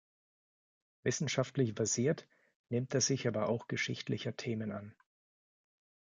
Wissenschaftlich versiert nimmt er sich aber auch geschichtlicher Themen an.